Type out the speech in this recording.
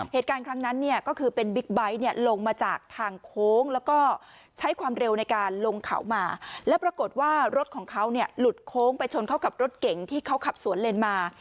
เหตุการณ์ครั้งนั้นเนี่ยก็คือเป็นบิ๊กไบท์เนี่ยลงมาจากทางโค้งแล้วก็ใช้ความเร็วในการลงเขามาแล้วปรากฏว่ารถของเขาเนี่ยหลุดโค้งไปชนเข้ากับรถเก่งที่เขาขับสวนเลนมา